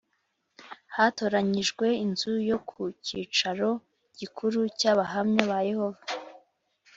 Hatoranyijwe inzu yo ku cyicaro gikuru cy’Abahamya ba Yehova